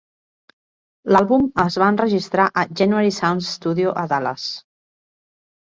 L'àlbum es va enregistrar a January Sound Studio a Dallas.